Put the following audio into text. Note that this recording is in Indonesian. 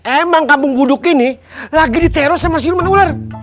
emang kampung buduk ini lagi diteros sama siluman ular